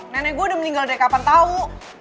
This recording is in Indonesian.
nenek gue udah meninggal dari kapan tahu